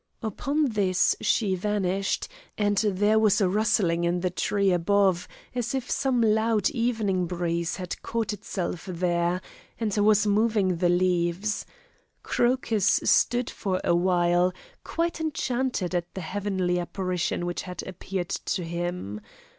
Upon this she vanished, and there was a rustling in the tree above, as if some loud evening breeze had caught itself there, and was moving the leaves. Crocus stood for awhile quite enchanted at the heavenly apparition which had appeared to him.